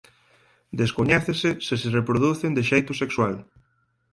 Descoñécese se se reproducen de xeito sexual.